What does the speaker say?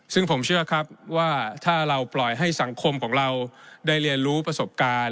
ซึ่งผมเชื่อครับว่าถ้าเราปล่อยให้สังคมของเราได้เรียนรู้ประสบการณ์